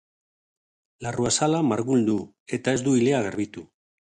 Larruazala margul du, eta ez du ilea garbitu.